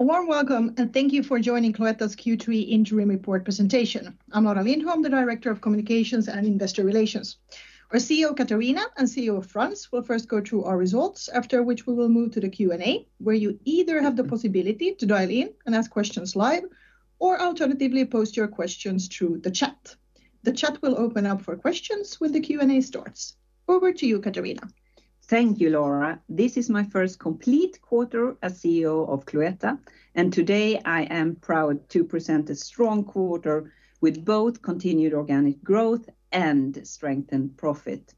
A warm welcome, and thank you for joining Cloetta's Q3 Interim Report presentation. I'm Laura Lindholm, the Director of Communications and Investor Relations. Our CEO, Katarina, and CFO, Frans will first go through our results, after which we will move to the Q&A, where you either have the possibility to dial in and ask questions live or alternatively post your questions through the chat. The chat will open up for questions when the Q&A starts. Over to you, Katarina. Thank you, Laura. This is my first complete quarter as CEO of Cloetta, and today I am proud to present a strong quarter with both continued organic growth and strengthened profit.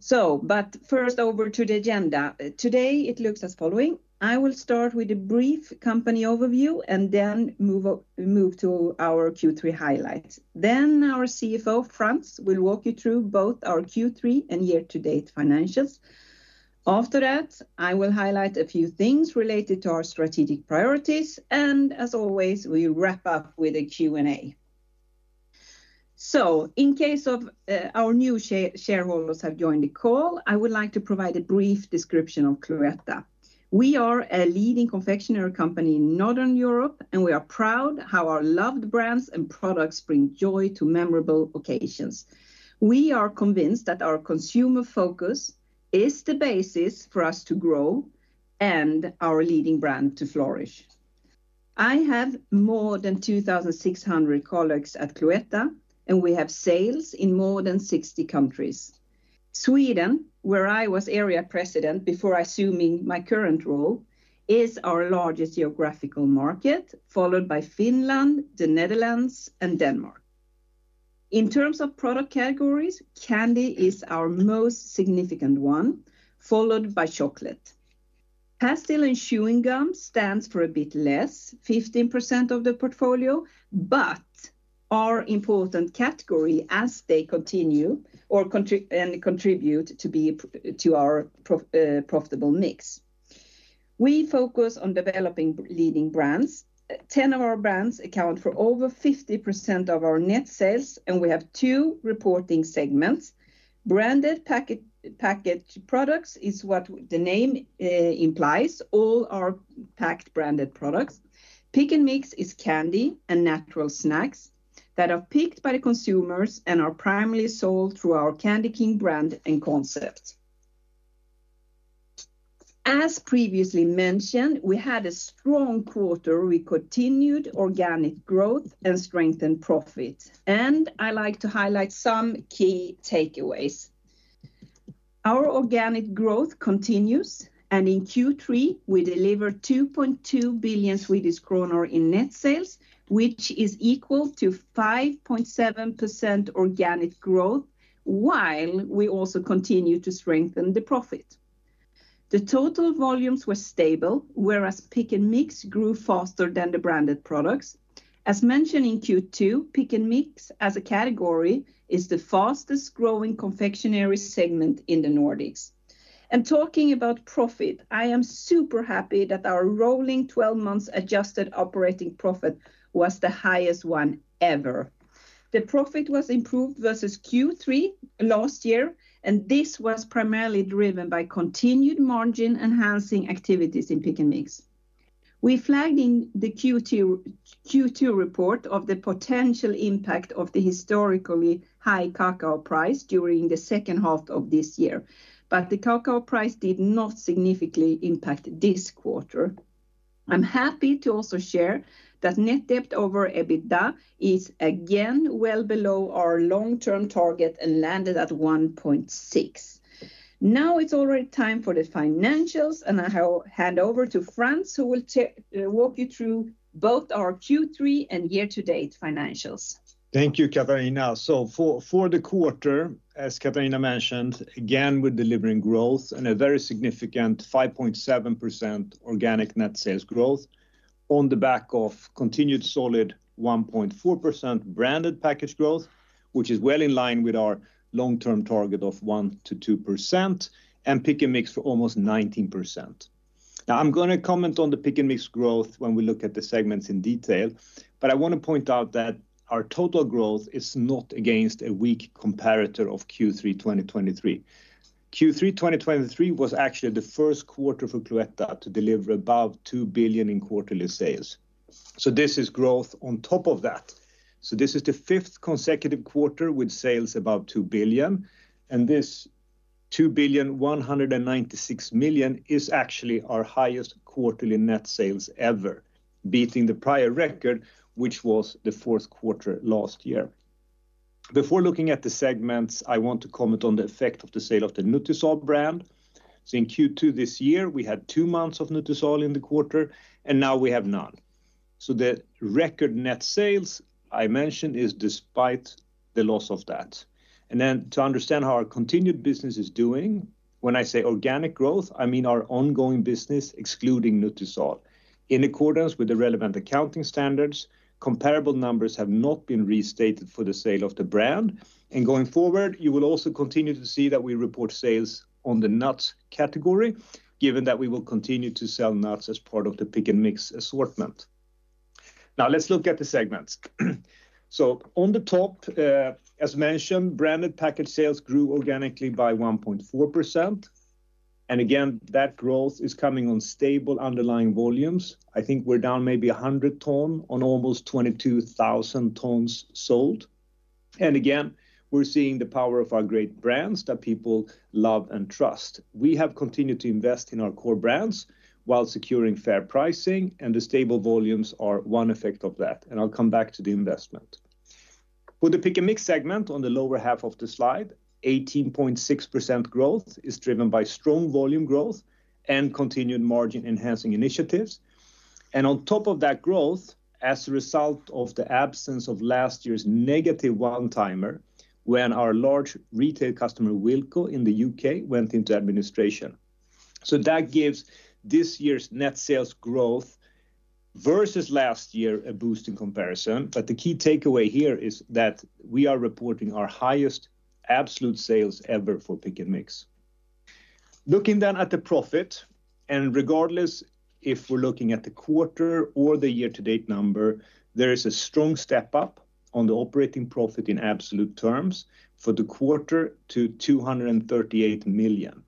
So but first, over to the agenda. Today, it looks as following: I will start with a brief company overview and then move to our Q3 highlights. Then our CFO, Frans, will walk you through both our Q3 and year-to-date financials. After that, I will highlight a few things related to our strategic priorities, and as always, we wrap up with a Q&A. So in case of our new shareholders have joined the call, I would like to provide a brief description of Cloetta. We are a leading confectionery company in Northern Europe, and we are proud how our loved brands and products bring joy to memorable occasions. We are convinced that our consumer focus is the basis for us to grow and our leading brand to flourish. I have more than 2,600 colleagues at Cloetta, and we have sales in more than 60 countries. Sweden, where I was area president before assuming my current role, is our largest geographical market, followed by Finland, the Netherlands, and Denmark. In terms of product categories, candy is our most significant one, followed by chocolate. Pastille and chewing gum stands for a bit less, 15% of the portfolio, but are important category as they continue and contribute to our profitable mix. We focus on developing leading brands. 10 of our brands account for over 50% of our net sales, and we have two reporting segments. Branded packaged products is what the name implies, all our packaged branded products. Pick & Mix is candy and natural snacks that are picked by the consumers and are primarily sold through our Candy King brand and concept. As previously mentioned, we had a strong quarter. We continued organic growth and strengthened profit, and I like to highlight some key takeaways. Our organic growth continues, and in Q3, we delivered 2.2 billion Swedish kronor in net sales, which is equal to 5.7% organic growth, while we also continued to strengthen the profit. The total volumes were stable, whereas Pick & Mix grew faster than the branded products. As mentioned in Q2, Pick & Mix, as a category, is the fastest-growing confectionery segment in the Nordics. Talking about profit, I am super happy that our rolling twelve months adjusted operating profit was the highest one ever. The profit was improved versus Q3 last year, and this was primarily driven by continued margin-enhancing activities in Pick & Mix. We flagged in the Q2 report of the potential impact of the historically high cocoa price during the second half of this year, but the cocoa price did not significantly impact this quarter. I'm happy to also share that net debt over EBITDA is again well below our long-term target and landed at 1.6. Now it's already time for the financials, and I will hand over to Frans, who will take you through both our Q3 and year-to-date financials. Thank you, Katarina. So for the quarter, as Katarina mentioned, again, we're delivering growth and a very significant 5.7% organic net sales growth on the back of continued solid 1.4% branded packaged growth, which is well in line with our long-term target of 1-2%, and Pick & Mix for almost 19%. Now, I'm gonna comment on the Pick & Mix growth when we look at the segments in detail, but I want to point out that our total growth is not against a weak comparator of Q3 2023. Q3 2023 was actually the first quarter for Cloetta to deliver above 2 billion in quarterly sales. So this is growth on top of that. So this is the fifth consecutive quarter with sales above 2 billion, and this 2.196 billion is actually our highest quarterly net sales ever, beating the prior record, which was the fourth quarter last year. Before looking at the segments, I want to comment on the effect of the sale of the Nutisal brand. So in Q2 this year, we had two months of Nutisal in the quarter, and now we have none. So the record net sales I mentioned is despite the loss of that. And then to understand how our continued business is doing, when I say organic growth, I mean our ongoing business excluding Nutisal. In accordance with the relevant accounting standards, comparable numbers have not been restated for the sale of the brand, and going forward, you will also continue to see that we report sales on the nuts category, given that we will continue to sell nuts as part of the Pick & Mix assortment. Now let's look at the segments. So on the top, as mentioned, branded packaged sales grew organically by 1.4%, and again, that growth is coming on stable underlying volumes. I think we're down maybe a hundred tons on almost 22,000 tons sold. And again, we're seeing the power of our great brands that people love and trust. We have continued to invest in our core brands while securing fair pricing, and the stable volumes are one effect of that, and I'll come back to the investment. For the Pick & Mix segment on the lower half of the slide, 18.6% growth is driven by strong volume growth and continued margin-enhancing initiatives. And on top of that growth, as a result of the absence of last year's negative one-timer, when our large retail customer, Wilko, in the U.K., went into administration. So that gives this year's net sales growth versus last year a boost in comparison, but the key takeaway here is that we are reporting our highest absolute sales ever for Pick & Mix. Looking then at the profit, and regardless if we're looking at the quarter or the year-to-date number, there is a strong step up on the operating profit in absolute terms for the quarter to 238 million.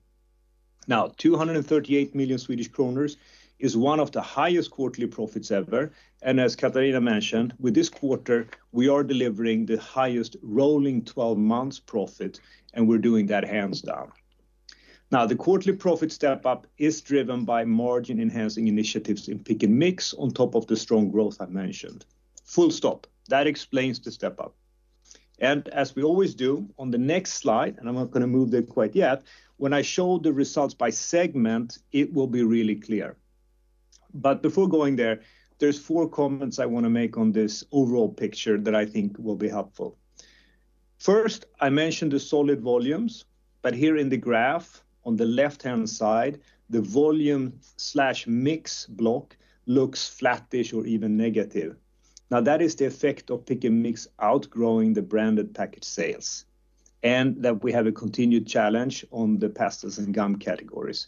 Now, 238 million Swedish kronor is one of the highest quarterly profits ever, and as Katarina mentioned, with this quarter, we are delivering the highest rolling twelve months profit, and we're doing that hands down. Now, the quarterly profit step up is driven by margin-enhancing initiatives in Pick & Mix on top of the strong growth I've mentioned. Full stop. That explains the step up. And as we always do, on the next slide, and I'm not gonna move it quite yet, when I show the results by segment, it will be really clear. But before going there, there's four comments I wanna make on this overall picture that I think will be helpful. First, I mentioned the solid volumes, but here in the graph, on the left-hand side, the volume/mix block looks flat-ish or even negative. Now, that is the effect of Pick & Mix outgrowing the branded packaged sales, and that we have a continued challenge on the pastilles and gum categories.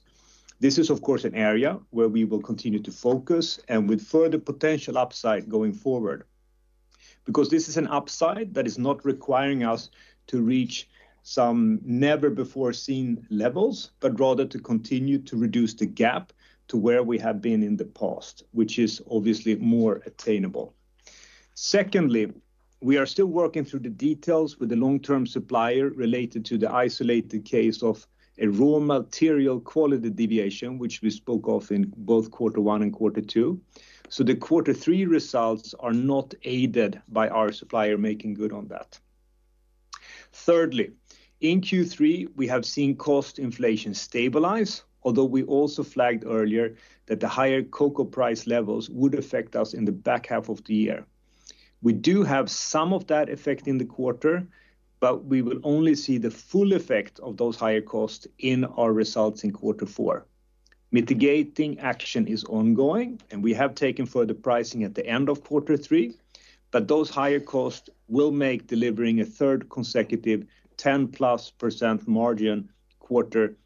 This is, of course, an area where we will continue to focus and with further potential upside going forward. Because this is an upside that is not requiring us to reach some never-before-seen levels, but rather to continue to reduce the gap to where we have been in the past, which is obviously more attainable. Secondly, we are still working through the details with the long-term supplier related to the isolated case of a raw material quality deviation, which we spoke of in both quarter one and quarter two. So the quarter three results are not aided by our supplier making good on that. Thirdly, in Q3, we have seen cost inflation stabilize, although we also flagged earlier that the higher cocoa price levels would affect us in the back half of the year. We do have some of that effect in the quarter, but we will only see the full effect of those higher costs in our results in quarter four. Mitigating action is ongoing, and we have taken further pricing at the end of quarter three, but those higher costs will make delivering a third consecutive 10-plus% margin quarter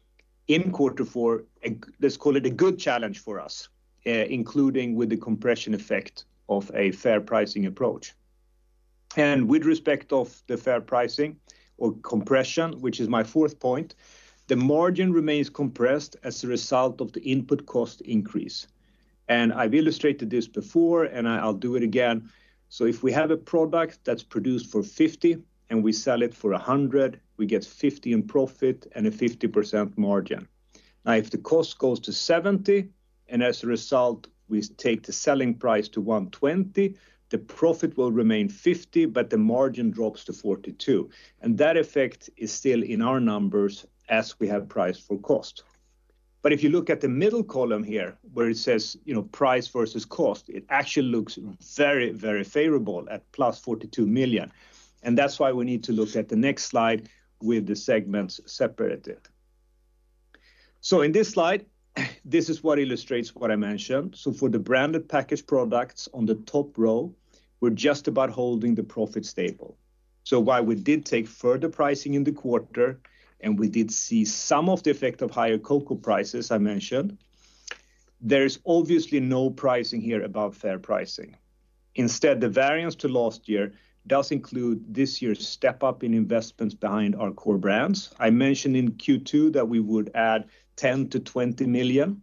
in quarter four a good challenge for us, including with the compression effect of a fair pricing approach. With respect to the fair pricing or compression, which is my fourth point, the margin remains compressed as a result of the input cost increase. I've illustrated this before, and I'll do it again. If we have a product that's produced for 50 and we sell it for 100, we get 50 in profit and a 50% margin. Now, if the cost goes to 70, and as a result, we take the selling price to 120, the profit will remain 50, but the margin drops to 42%, and that effect is still in our numbers as we have priced for cost. But if you look at the middle column here, where it says, you know, price versus cost, it actually looks very, very favorable at +42 million, and that's why we need to look at the next slide with the segments separated. In this slide, this is what illustrates what I mentioned. For the branded packaged products on the top row, we're just about holding the profit stable. So while we did take further pricing in the quarter, and we did see some of the effect of higher cocoa prices, I mentioned, there is obviously no pricing here about fair pricing. Instead, the variance to last year does include this year's step up in investments behind our core brands. I mentioned in Q2 that we would add 10-20 million,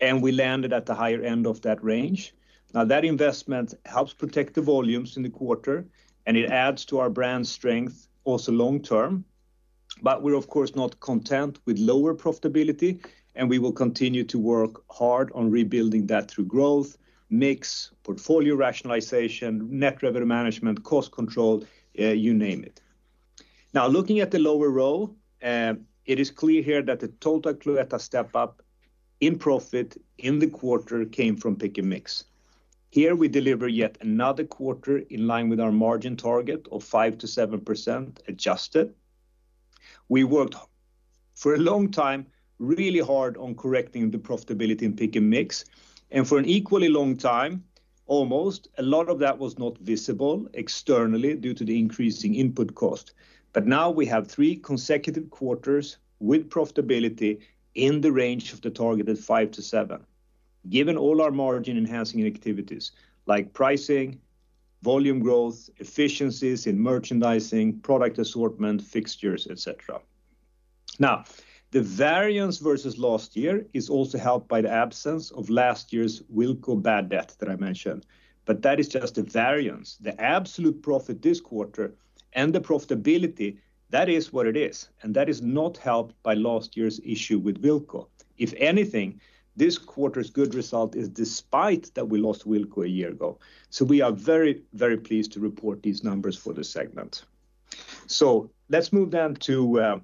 and we landed at the higher end of that range. Now, that investment helps protect the volumes in the quarter, and it adds to our brand strength also long term, but we're of course not content with lower profitability, and we will continue to work hard on rebuilding that through growth, mix, portfolio rationalization, net revenue management, cost control, you name it. Now, looking at the lower row, it is clear here that the total Cloetta step up in profit in the quarter came from Pick & Mix. Here we deliver yet another quarter in line with our margin target of 5-7% adjusted. We worked for a long time, really hard on correcting the profitability in Pick & Mix, and for an equally long time, almost, a lot of that was not visible externally due to the increasing input cost. But now we have three consecutive quarters with profitability in the range of the targeted 5-7%. Given all our margin-enhancing activities, like pricing, volume growth, efficiencies in merchandising, product assortment, fixtures, etc. Now, the variance versus last year is also helped by the absence of last year's Wilko bad debt that I mentioned, but that is just a variance. The absolute profit this quarter and the profitability, that is what it is, and that is not helped by last year's issue with Wilko. If anything, this quarter's good result is despite that we lost Wilko a year ago. So we are very, very pleased to report these numbers for the segment. So let's move down to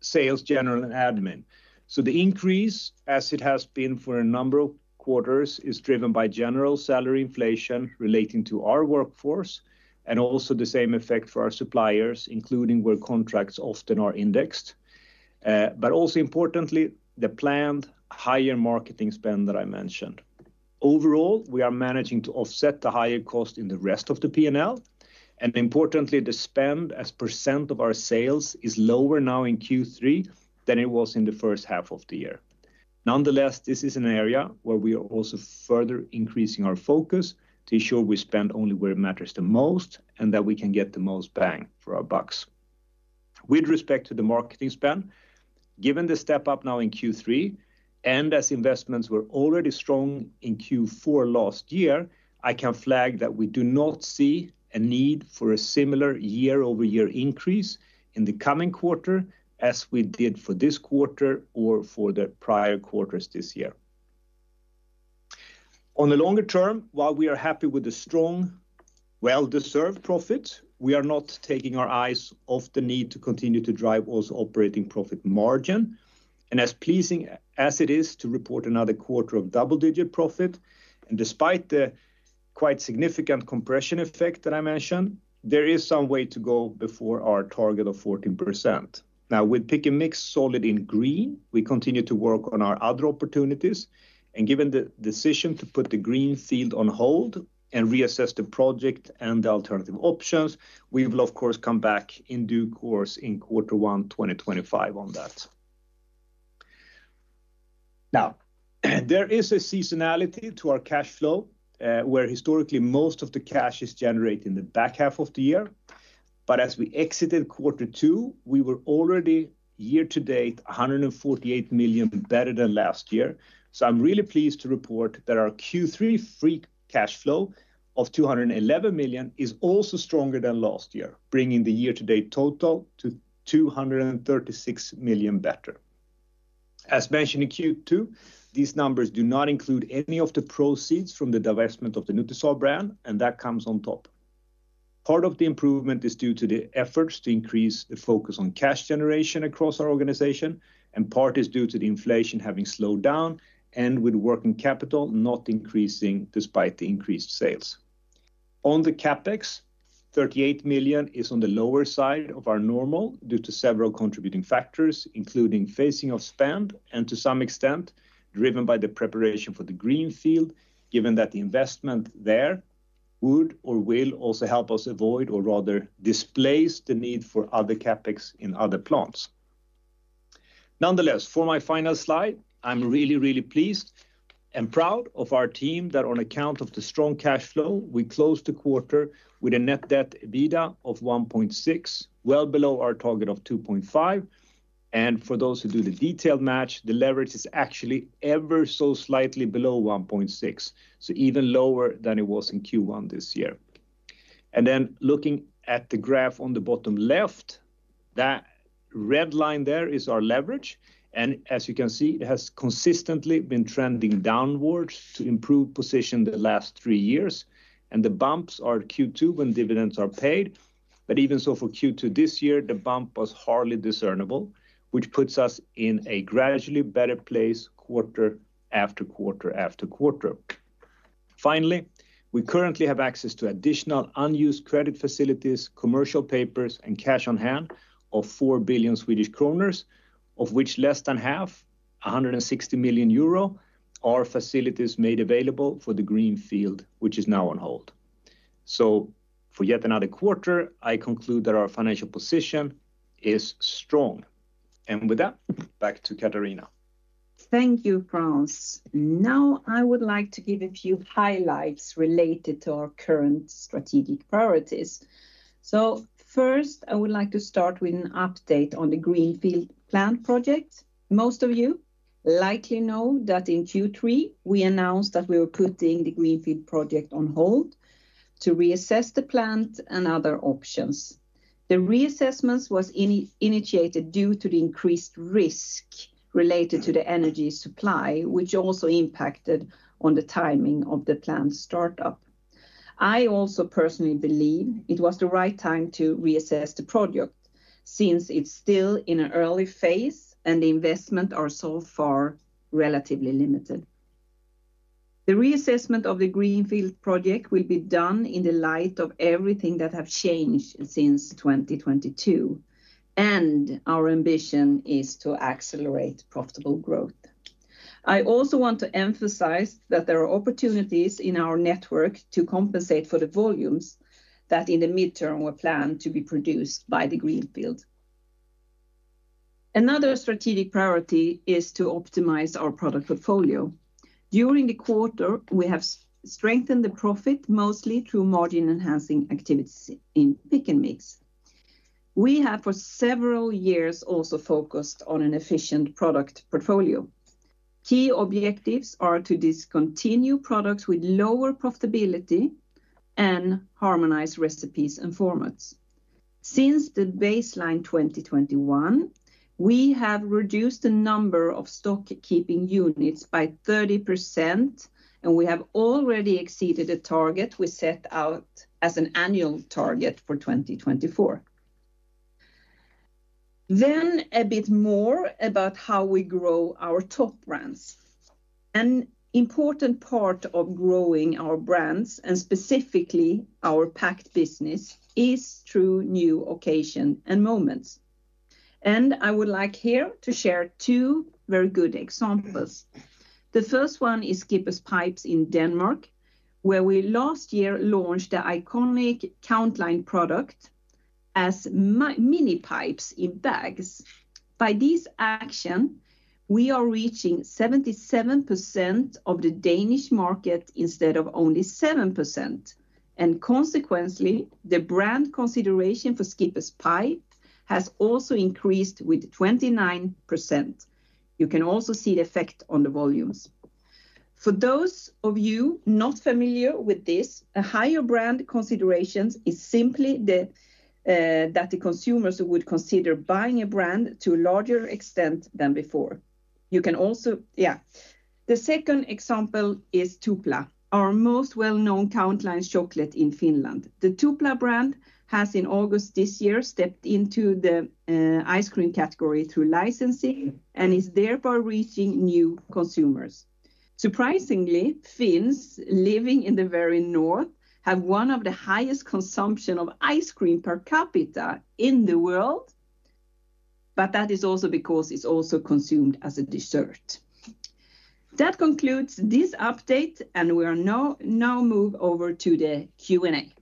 sales, general, and admin. So the increase, as it has been for a number of quarters, is driven by general salary inflation relating to our workforce, and also the same effect for our suppliers, including where contracts often are indexed, but also importantly, the planned higher marketing spend that I mentioned. Overall, we are managing to offset the higher cost in the rest of the P&L, and importantly, the spend as % of our sales is lower now in Q3 than it was in the first half of the year. Nonetheless, this is an area where we are also further increasing our focus to ensure we spend only where it matters the most, and that we can get the most bang for our bucks. With respect to the marketing spend, given the step up now in Q3, and as investments were already strong in Q4 last year, I can flag that we do not see a need for a similar year-over-year increase in the coming quarter as we did for this quarter or for the prior quarters this year. On the longer term, while we are happy with the strong, well-deserved profit, we are not taking our eyes off the need to continue to drive also operating profit margin. As pleasing as it is to report another quarter of double-digit profit, and despite the quite significant compression effect that I mentioned, there is some way to go before our target of 14%. Now, with Pick & Mix solid in green, we continue to work on our other opportunities, and given the decision to put the greenfield on hold and reassess the project and the alternative options, we will, of course, come back in due course in quarter one, twenty twenty-five on that. Now, there is a seasonality to our cash flow, where historically, most of the cash is generated in the back half of the year. But as we exited quarter two, we were already year to date, 148 million better than last year. So I'm really pleased to report that our Q3 free cash flow of 211 million is also stronger than last year, bringing the year-to-date total to 236 million better. As mentioned in Q2, these numbers do not include any of the proceeds from the divestment of the Nutisal brand, and that comes on top. Part of the improvement is due to the efforts to increase the focus on cash generation across our organization, and part is due to the inflation having slowed down and with working capital not increasing despite the increased sales. On the CapEx, 38 million is on the lower side of our normal due to several contributing factors, including phasing of spend, and to some extent, driven by the preparation for the greenfield, given that the investment there would or will also help us avoid or rather displace the need for other CapEx in other plants. Nonetheless, for my final slide, I'm really, really pleased and proud of our team that on account of the strong cash flow, we closed the quarter with a net debt/EBITDA of 1.6, well below our target of 2.5. And for those who do the detailed math, the leverage is actually ever so slightly below 1.6, so even lower than it was in Q1 this year. And then looking at the graph on the bottom left, that red line there is our leverage, and as you can see, it has consistently been trending downwards to improve position the last three years, and the bumps are Q2 when dividends are paid. But even so, for Q2 this year, the bump was hardly discernible, which puts us in a gradually better place, quarter after quarter after quarter. Finally, we currently have access to additional unused credit facilities, commercial paper, and cash on hand of 4 billion Swedish kronor, of which less than half, 160 million euro, are facilities made available for the greenfield, which is now on hold. So for yet another quarter, I conclude that our financial position is strong. And with that, back to Katarina. Thank you, Frans. Now, I would like to give a few highlights related to our current strategic priorities. So first, I would like to start with an update on the greenfield plant project. Most of you likely know that in Q3, we announced that we were putting the greenfield project on hold to reassess the plant and other options. The reassessment was initiated due to the increased risk related to the energy supply, which also impacted on the timing of the plant startup. I also personally believe it was the right time to reassess the project, since it's still in an early phase and the investment are so far relatively limited. The reassessment of the greenfield project will be done in the light of everything that have changed since 2022, and our ambition is to accelerate profitable growth. I also want to emphasize that there are opportunities in our network to compensate for the volumes that in the midterm were planned to be produced by the greenfield. Another strategic priority is to optimize our product portfolio. During the quarter, we have strengthened the profit, mostly through margin-enhancing activities in Pick & Mix. We have, for several years, also focused on an efficient product portfolio. Key objectives are to discontinue products with lower profitability and harmonize recipes and formats. Since the baseline twenty twenty-one, we have reduced the number of stock keeping units by 30%, and we have already exceeded the target we set out as an annual target for twenty twenty-four. Then a bit more about how we grow our top brands. An important part of growing our brands, and specifically our packed business, is through new occasion and moments. I would like here to share two very good examples. The first one is Skipper's Pipes in Denmark, where we last year launched the iconic countline product as mini pipes in bags. By this action, we are reaching 77% of the Danish market instead of only 7%, and consequently, the brand consideration for Skipper's Pipes has also increased with 29%. You can also see the effect on the volumes. For those of you not familiar with this, a higher brand consideration is simply the that the consumers would consider buying a brand to a larger extent than before. The second example is Tupla, our most well-known countline chocolate in Finland. The Tupla brand has, in August this year, stepped into the ice cream category through licensing and is therefore reaching new consumers. Surprisingly, Finns living in the very north have one of the highest consumption of ice cream per capita in the world, but that is also because it's also consumed as a dessert. That concludes this update, and we are now move over to the Q&A.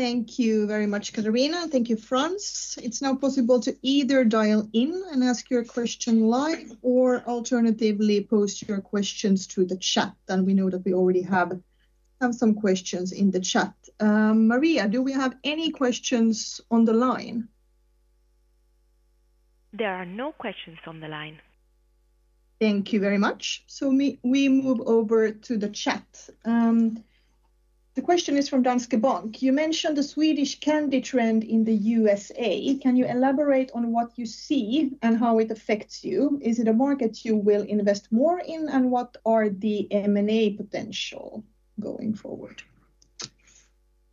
Thank you very much, Katarina. Thank you, Frans. It's now possible to either dial in and ask your question live or alternatively post your questions to the chat, and we know that we already have some questions in the chat. Maria, do we have any questions on the line? There are no questions on the line. Thank you very much. So we, we move over to the chat. The question is from Danske Bank: You mentioned the Swedish candy trend in the USA. Can you elaborate on what you see and how it affects you? Is it a market you will invest more in, and what are the M&A potential going forward?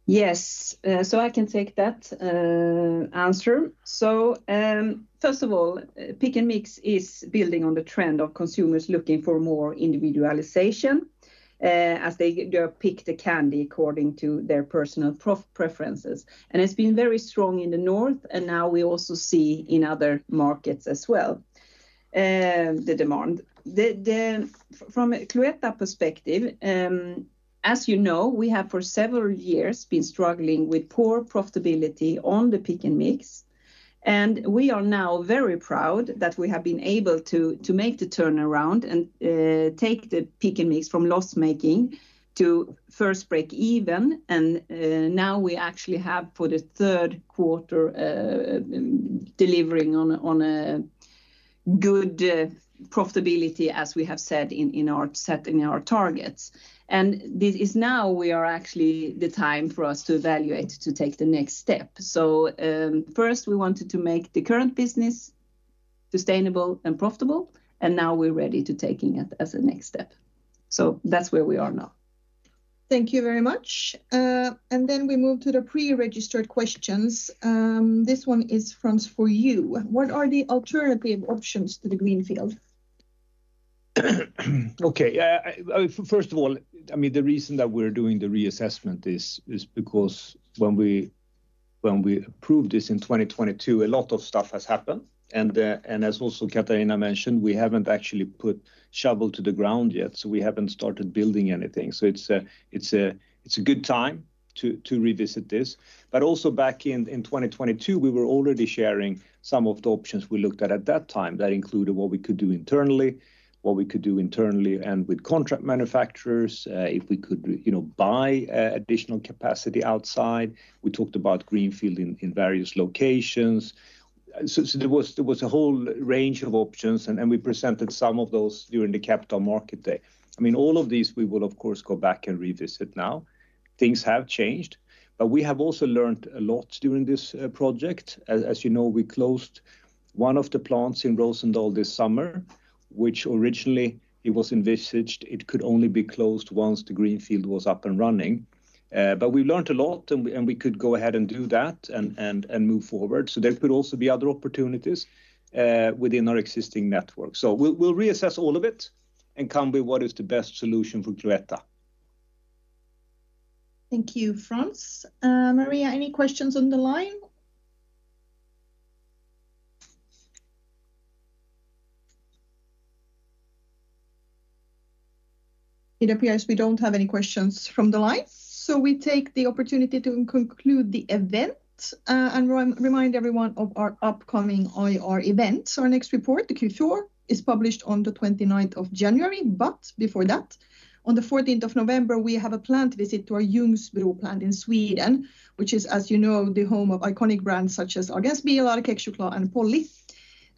Yes, so I can take that answer. So, first of all, Pick & Mix is building on the trend of consumers looking for more individualization, as they pick the candy according to their personal preferences. And it's been very strong in the North, and now we also see in other markets as well, the demand. From a Cloetta perspective, as you know, we have, for several years, been struggling with poor profitability on the Pick & Mix, and we are now very proud that we have been able to make the turnaround and take the Pick & Mix from loss-making to first break even. And now we actually have, for the third quarter, delivering on a good profitability, as we have said in our set targets. And this is now we are actually the time for us to evaluate to take the next step. So, first, we wanted to make the current business sustainable and profitable, and now we're ready to taking it as a next step. So that's where we are now. Thank you very much. And then we move to the pre-registered questions. This one is, Frans, for you. What are the alternative options to the greenfield? Okay, first of all, I mean, the reason that we're doing the reassessment is because when we approved this in 2022, a lot of stuff has happened, and as also Katarina mentioned, we haven't actually put shovel to the ground yet, so we haven't started building anything, it's a good time to revisit this. But also back in 2022, we were already sharing some of the options we looked at that time. That included what we could do internally and with contract manufacturers, if we could, you know, buy additional capacity outside. We talked about greenfield in various locations. So there was a whole range of options, and we presented some of those during the Capital Market Day. I mean, all of these, we will of course, go back and revisit now. Things have changed, but we have also learned a lot during this project. As you know, we closed one of the plants in Roosendaal this summer, which originally it was envisaged it could only be closed once the greenfield was up and running, but we learned a lot, and we could go ahead and do that and move forward, so there could also be other opportunities within our existing network, so we'll reassess all of it and come with what is the best solution for Cloetta. Thank you, Frans. Maria, any questions on the line? It appears we don't have any questions from the line, so we take the opportunity to conclude the event, and re-remind everyone of our upcoming IR events. Our next report, the Q4, is published on the twenty-ninth of January, but before that, on the fourteenth of November, we have a plant visit to our Ljungsbro plant in Sweden, which is, as you know, the home of iconic brands such as Ahlgrens Bilar, Kexchoklad, and Polly.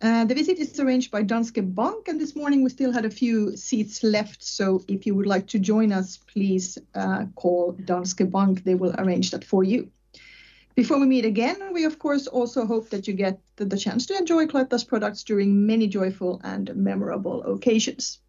The visit is arranged by Danske Bank, and this morning we still had a few seats left, so if you would like to join us, please, call Danske Bank, they will arrange that for you. Before we meet again, we of course also hope that you get the chance to enjoy Cloetta's products during many joyful and memorable occasions.